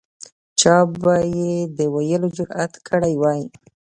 چا به یې د ویلو جرأت کړی وای.